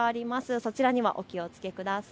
そちらにもお気をつけください。